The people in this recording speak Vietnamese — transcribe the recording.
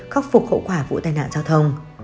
khóc phục hậu quả vụ tai nạn giao thông